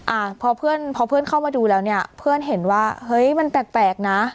อ่าพอเพื่อนพอเพื่อนเข้ามาดูแล้วเนี่ยเพื่อนเห็นว่าเฮ้ยมันแปลกแปลกนะ